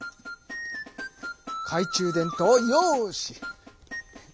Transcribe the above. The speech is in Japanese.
懐中電灯よし！